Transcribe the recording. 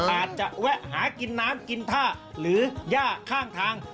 อาจจะแวะหากินน้ำกินท่าหรือย่าข้างทาง